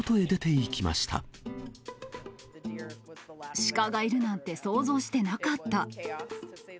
シカがいるなんて想像してなかった。